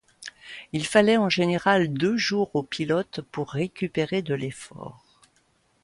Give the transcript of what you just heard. Il fallait en général deux jours au pilote pour récupérer de l'effort.